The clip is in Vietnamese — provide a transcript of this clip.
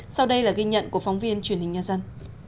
sau đây là ghi nhận của phóng viên truyền hình nhân dân